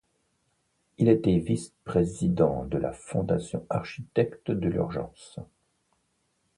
Il a été vice-président de la Fondation Architectes de l'urgence.